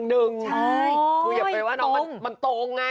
คืออย่าไปว่าน้องมันตรงไง